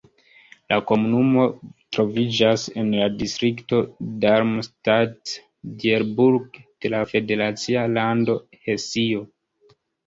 La komunumo troviĝas en la distrikto Darmstadt-Dieburg de la federacia lando Hesio.